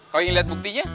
kau ingin lihat buktinya